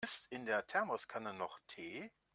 Ist in der Thermoskanne noch Tee?